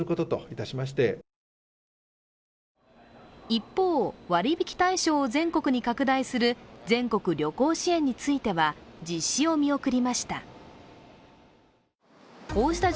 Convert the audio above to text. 一方、割引対象を全国に拡大する全国旅行支援については、実施を見送りました。